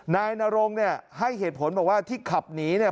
นายนรงเนี่ยให้เหตุผลบอกว่าที่ขับหนีเนี่ย